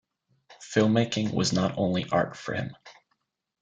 Filmmaking was not only art for him.